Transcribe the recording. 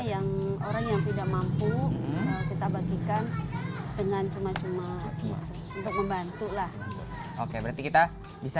yang orang yang tidak mampu kita bagikan dengan cuma cuma untuk membantu lah oke berarti kita bisa